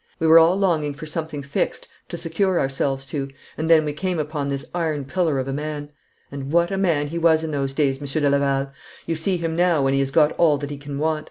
We were all longing for something fixed to secure ourselves to, and then we came upon this iron pillar of a man. And what a man he was in those days, Monsieur de Laval! You see him now when he has got all that he can want.